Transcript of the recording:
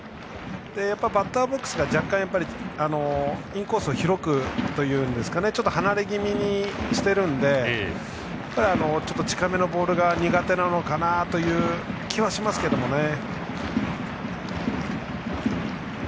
バッターボックスで若干、インコースを広くというかちょっと離れ気味にしているのでちょっと近めのボールが苦手なのかなという気はしますね。